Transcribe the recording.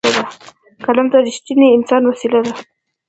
قلم د رښتیني انسان وسېله ده